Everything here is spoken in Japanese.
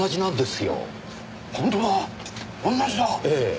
本当だ同じだ！ええ。